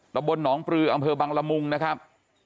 ตะบลหนองปลืออำเภอบังละมุงนะครับ